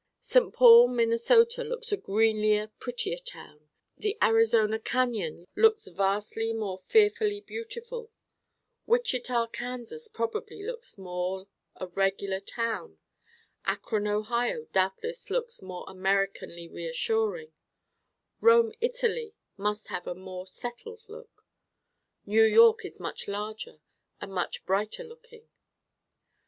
St. Paul Minnesota looks a greenlier prettier town: the Arizona Cañon looks vastly more fearfully beautiful: Wichita Kansas probably looks more a regular town: Akron Ohio doubtless looks more Americanly reassuring: Rome Italy must have a more 'settled' look: New York is much larger and much brighter looking.